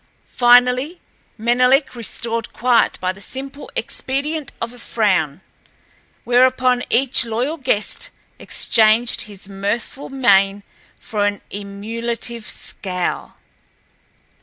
Finally Menelek restored quiet by the simple expedient of a frown, whereupon each loyal guest exchanged his mirthful mien for an emulative scowl.